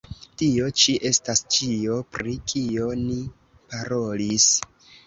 Tio ĉi estas ĉio, pri kio ni parolis.